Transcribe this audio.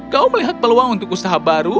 kau melihat peluang untuk usaha baru